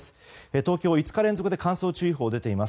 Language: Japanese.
東京５日連続で乾燥注意報が出ています。